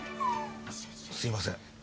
すいません